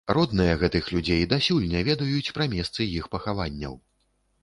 Родныя гэтых людзей дасюль не ведаюць пра месцы іх пахаванняў.